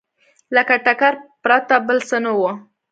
له ټکر پرته بل څه نه وو